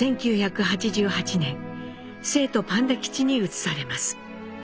１９８８年成都パンダ基地に移されます。